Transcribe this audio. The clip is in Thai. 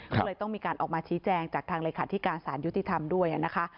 ก็เลยต้องมีการออกมาชี้แจงจากทางเลขาธิการสารยุติธรรมด้วยนะคะ